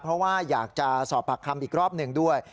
เพราะว่าอยากจะสอบปากคำอีกรอบหนึ่งด้วย